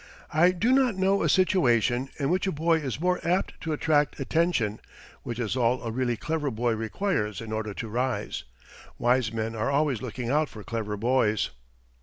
I do not know a situation in which a boy is more apt to attract attention, which is all a really clever boy requires in order to rise. Wise men are always looking out for clever boys.